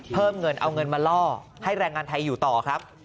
เพิ่มเงินเอาเงินมาล่อให้แรงงานไทยอยู่ต่อครับ